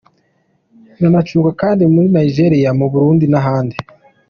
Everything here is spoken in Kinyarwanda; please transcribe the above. Inacurangwa kandi muri Nigeriya, mu Burundi n’ahandi.